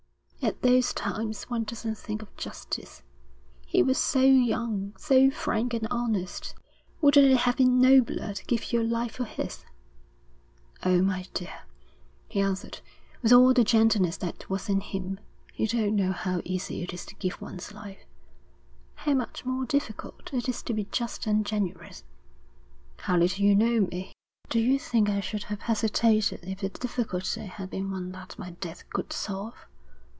'At those times one doesn't think of justice. He was so young, so frank and honest. Wouldn't it have been nobler to give your life for his?' 'Oh, my dear,' he answered, with all the gentleness that was in him, 'you don't know how easy it is to give one's life, how much more difficult it is to be just than generous. How little you know me! Do you think I should have hesitated if the difficulty had been one that my death could solve?